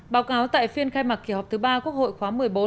báo cáo tại phiên khai mạc kỳ họp thứ ba quốc hội khóa một mươi bốn